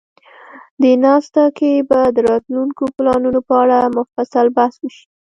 دې ناسته کې به د راتلونکو پلانونو په اړه مفصل بحث وشي.